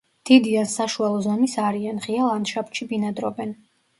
დიდი ან საშუალო ზომის არიან, ღია ლანდშაფტში ბინადრობენ.